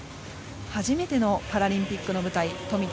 初めてのパラリンピックの舞台富田